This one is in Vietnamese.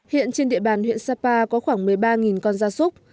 hiện trên địa bàn huyện sapa có khoảng một mươi ba con da súc